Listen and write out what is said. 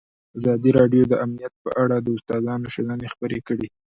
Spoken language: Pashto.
ازادي راډیو د امنیت په اړه د استادانو شننې خپرې کړي.